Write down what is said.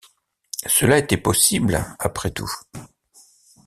Cela était possible, après tout.